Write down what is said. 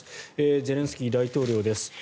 ゼレンスキー大統領です。